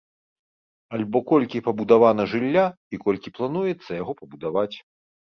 Альбо колькі пабудавана жылля і колькі плануецца яго пабудаваць.